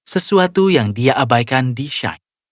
sesuatu yang dia abaikan di shin